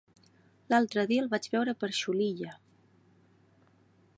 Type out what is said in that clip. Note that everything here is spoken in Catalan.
L'altre dia el vaig veure per Xulilla.